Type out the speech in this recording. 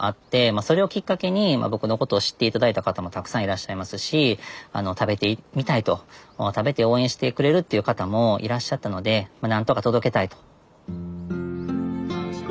まあそれをきっかけに僕のことを知って頂いた方もたくさんいらっしゃいますし食べてみたいと食べて応援してくれるっていう方もいらっしゃったので何とか届けたいと。